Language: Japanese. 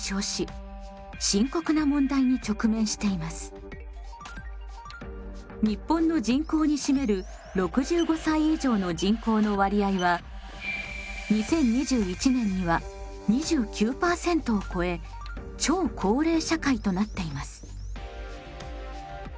今日本の人口に占める６５歳以上の人口の割合は２０２１年には２９％を超え超高齢社会となっています。